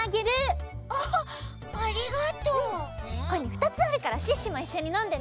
ふたつあるからシュッシュもいっしょにのんでね！